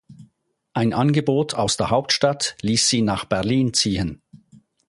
Ein Angebot aus der Hauptstadt ließ sie nach Berlin ziehen.